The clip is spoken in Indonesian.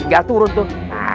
tinggal turun tuh